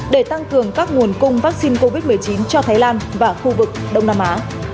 để tăng cường các nguồn cung vaccine covid một mươi chín cho thái lan và khu vực đông nam á